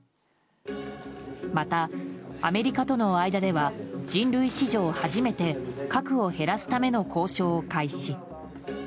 また、アメリカとの間では人類史上初めて核を減らすための交渉を開始。